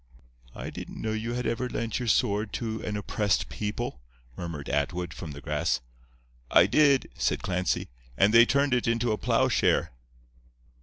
"I didn't know you had ever lent your sword to an oppressed people," murmured Atwood, from the grass. "I did," said Clancy; "and they turned it into a ploughshare."